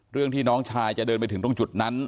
เรื่องที่น้องชายจะเดินไปถึงตรงจุดนั้น